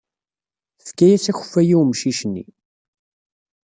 Tefka-as akeffay i umcic-nni.